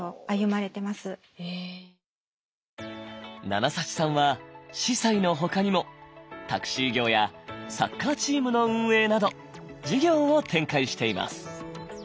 ナナ・サチさんは司祭のほかにもタクシー業やサッカーチームの運営など事業を展開しています。